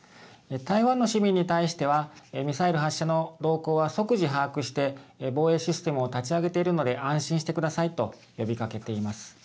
台湾の市民に対してはミサイル発射の動向は即時反応して防衛システムを発生させているので安心してくださいと呼びかけています。